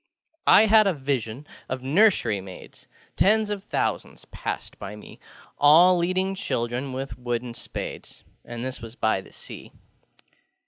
I had a vision of nursery maids; Tens of thousands passed by meŌĆö All leading children with wooden spades, And this was by the Sea.